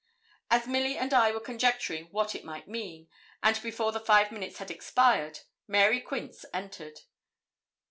As Milly and I were conjecturing what it might mean, and before the five minutes had expired, Mary Quince entered.